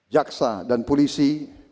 jaksa dan polisi